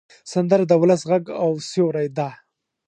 سندره د ولس غږ او سیوری ده